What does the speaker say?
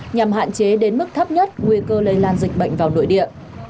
nhằm hạn chế đến mức thấp nhất nguy cơ lây lan dịch bệnh vào nội địa